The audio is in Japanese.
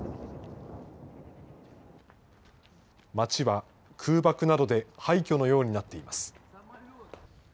街は空爆などで廃虚のようになっています。